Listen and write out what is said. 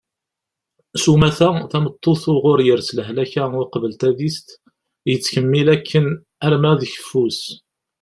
sumata tameṭṭut uɣur yers lehlak-a uqbel tadist yettkemmil akken arma d keffu-s